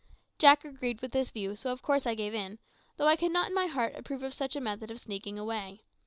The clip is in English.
Jack agreed with this view, so of course I gave in, though I could not in my heart approve of such a method of sneaking away.